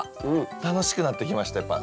楽しくなってきましたやっぱ。